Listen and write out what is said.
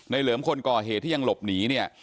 เหลิมคนก่อเหตุที่ยังหลบหนีเนี่ย